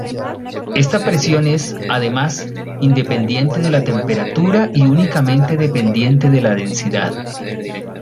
Esta presión es, además, independiente de la temperatura y únicamente dependiente de la densidad.